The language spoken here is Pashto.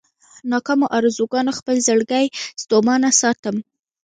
ناکامو ارزوګانو خپل زړګی ستومانه ساتم.